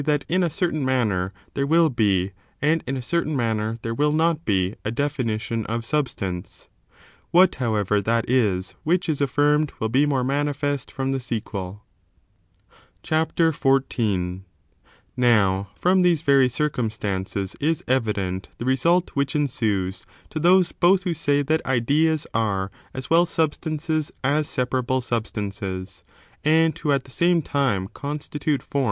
that in a certain manner there will be, and in a certain manner there will not be, a definition of substance 1 What, however, that is which is affirmed will be more manifest ftom the sequel^ CHAPTER XIV. 1 This doRina Now, from thcsc Very circumstances is evident touching uni the result which ensues, to those both who say pmes^hV&i ^^^ ideas are as well substances as separable W or the substances,^ and who at the same time constitute t eory.